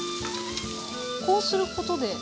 こうすることで？